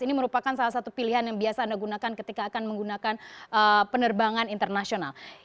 ini merupakan salah satu pilihan yang biasa anda gunakan ketika akan menggunakan penerbangan internasional